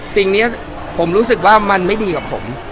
สิ่งนี้ผมรู้สึกว่ามันไม่ดีกับผม